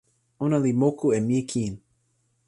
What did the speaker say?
ona li moku e mi kin.